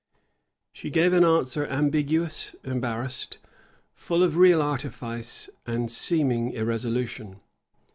[] She gave an answer ambiguous, embarrassed; full of real artifice, and seeming irresolution.